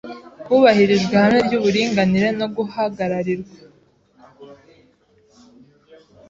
hubahirijwe ihame ry’uburinganire no guhagararirwa